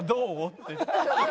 って。